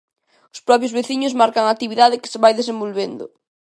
Os propios veciños marcan a actividade que se vai desenvolvendo.